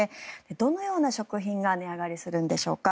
どのような食品が値上がりするんでしょうか。